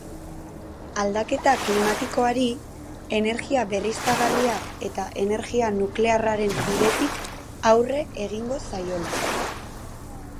Aldaketa klimatikoari, energia berriztagarriak eta energia nuklearraren bidetik aurre egingo zaiola.